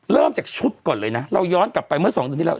เริ่มจากชุดก่อนเลยนะเราย้อนกลับไปเมื่อ๒เดือนที่แล้ว